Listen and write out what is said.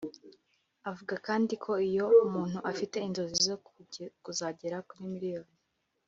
Avuga kandi ko iyo umuntu afite inzozi zo kuzagera kuri miliyoni